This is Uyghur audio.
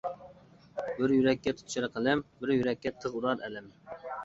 بىر يۈرەككە تۇتىشار قەلەم، بىر يۈرەككە تىغ ئۇرار ئەلەم.